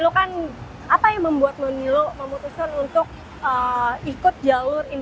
hidup di kami mengenai perusahaan daripada ini